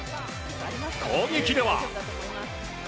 攻撃では。